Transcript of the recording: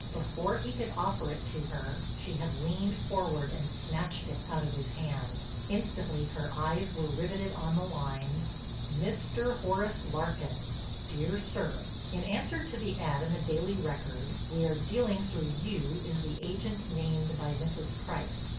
Before he could offer it to her, she had leaned forward and snatched it out of his hand. Instantly her eyes were riveted on the lines: "Mr. Horace Larkin, "Dear Sir: "In answer to the ad. in the Daily Record, we are dealing through you as the agent named by Mrs. Price.